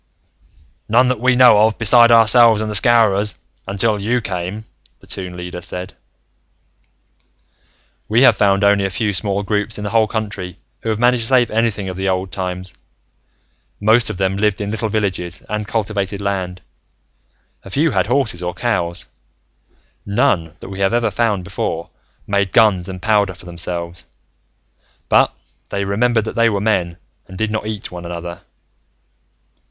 "None that we know of, beside ourselves and the Scowrers, until you came," the Toon Leader said. "We have found only a few small groups, in the whole country, who have managed to save anything of the Old Times. Most of them lived in little villages and cultivated land. A few had horses or cows. None, that we have ever found before, made guns and powder for themselves. But they remembered that they were men, and did not eat one another.